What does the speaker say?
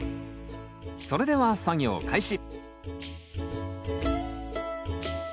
それでは作業開始！